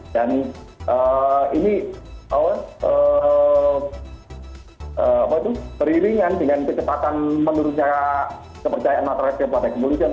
dan ini berilingan dengan kecepatan menurunnya kepercayaan matraksnya kepada kepolisian